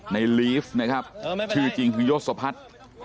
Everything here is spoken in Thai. ในลีฟนะครับชื่อจริงฮึงยศสภัษธิ์